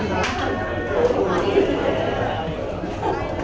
ขอบคุณค่ะพี่โฟสขอบคุณค่ะ